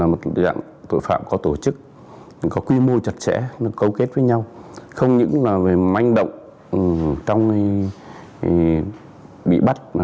mời quý vị cùng theo dõi